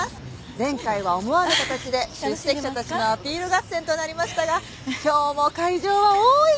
前回は思わぬ形で出席者たちのアピール合戦となりましたが今日も会場は大いに盛り上がっています！